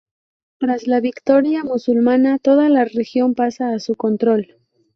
Tras la victoria musulmana, toda la región pasa a su control.